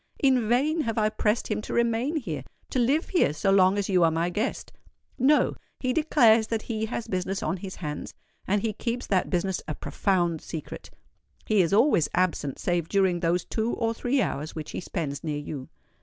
In vain have I pressed him to remain here—to live here so long as you are my guest: no—he declares that he has business on his hands; and he keeps that business a profound secret. He is always absent save during those two or three hours which he spends near you."